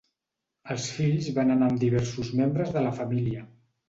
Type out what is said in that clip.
Els fills van anar amb diversos membres de la família.